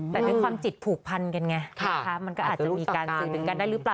แต่ด้วยความจิตผูกพันกันไงมันก็อาจจะมีการสื่อถึงกันได้หรือเปล่า